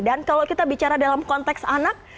dan kalau kita bicara dalam konteks anak